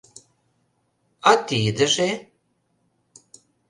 — А тидыже?